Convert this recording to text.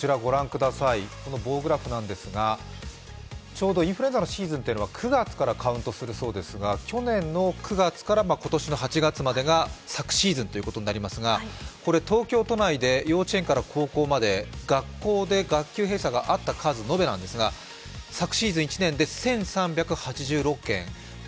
この棒グラフですが、ちょうどインフルエンザのシーズンは９月からカウントするそうですが、去年の９月から今年の８月までが昨シーズンということになりますが、これ、東京都内で幼稚園から高校まで学校で学級閉鎖があった数、延べなんですが昨シーズン１年で１３８６件。